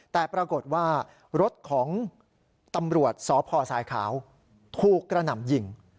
แต่ปรากฏว่ารถของตำรวจสพสายขาวถูกกระหน่ำยิง